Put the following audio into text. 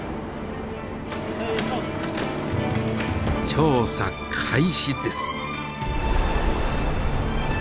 調査開始です。